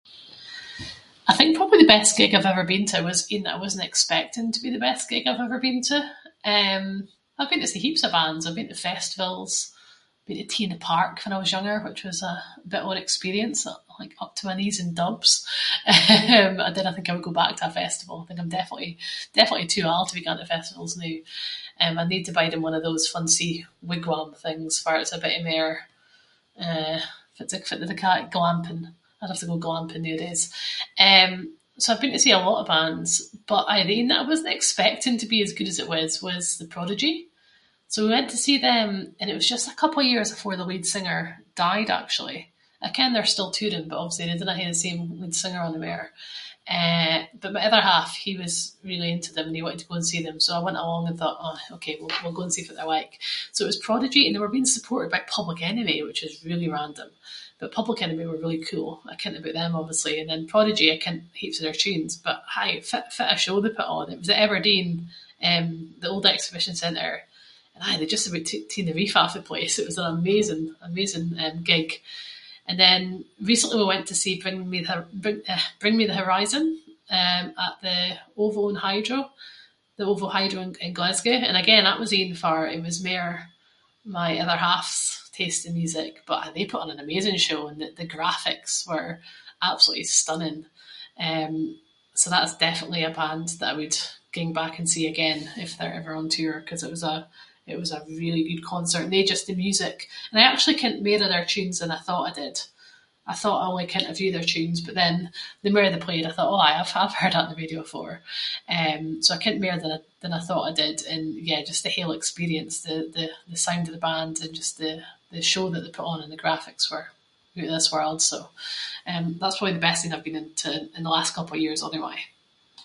I think probably the best gig I’ve ever been to was ain that I wasn’t expecting to be the best gig I’ve ever been to. Eh, I’ve been to see heaps of bands. I’ve been to festivals, been to T in the park fann I was younger, which was a bit of an experience, like up to my knees in dubs. Eh, I dinna think I would go back to a festival. I think I’m definitely- definitely too old to be going to festivals noo. Eh, I’d need to bide in one of those fancy wigwam things, farr it’s a bittie mair, eh- fitt do they ca’ it? Glamping. I’d have to go glamping nooadays. Eh so I’ve been to see a lot of bands, but aye the ain that I wasn’t expecting to be as good as it was, was The Prodigy. So we went to see them, and it was just a couple of years afore the lead singer died actually. I ken they’re still touring but obviously they dinna hae the same lead singer onymair. Eh but my other half, he was really into them and he wanted to go and see them, so I went along and thought “ah okay, we’ll go and see fitt they’re like” So it was Prodigy, and they were being supported by Public Enemy which was really random. But Public Enemy were really cool, I kent aboot them obviously, and then Prodigy, I kent heaps of their tunes but I- fitt- fitt a show they put on. It was at Aberdeen, eh the old exhibition centre and aye they just aboot took the roof of the place, it was an amazing amazing gig. And then recently we went to see Bring Me The- eh Bring Me The Horizon, eh at the OVO Hydro- the OVO Hydro in Glasgow. And again that was ain farr it was mair my other half’s taste in music, but they put on an amazing show and the graphics were absolutely stunning. Eh so that’s definitely a band that I would ging back and see again, if they were ever on tour, ‘cause it was a- it was a really good concert and no just the music. And I actually kent mair of their tunes than I thought I did. I thought I only kent a few of their tunes but then the mair they played I thought “oh aye I’ve-I’ve heard that on the radio afore”. Eh so, I kent mair than I thought I did and yeah just the whole experience, the- the- the sound of the band and just the- the show that they put on and the graphics were oot of this world. So, that’s probably the best thing I’ve been to in the last couple of years onyway.